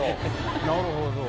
なるほど。